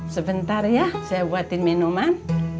sebentar ya saya buatin minuman